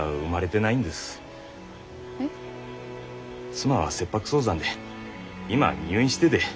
妻は切迫早産で今入院してで。